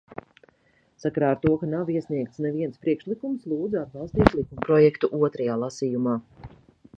Sakarā ar to, ka nav iesniegts neviens priekšlikums, lūdzu atbalstīt likumprojektu otrajā lasījumā.